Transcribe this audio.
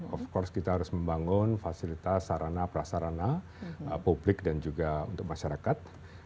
of course kita harus membangun fasilitas sarana prasarana publik dan juga untuk masyarakat